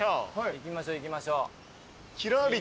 行きましょ行きましょ。